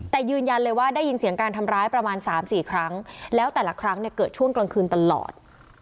แต่ยืนยันเลยว่าได้ยินเสียงการทำร้ายประมาณ๓๔ครั้งแล้วแต่ละครั้งเนี่ยเกิดช่วงกลางคืนตลอด